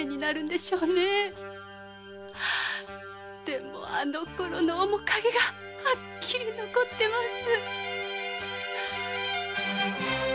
でもあのころの面影がはっきりと残っています。